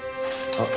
あっ。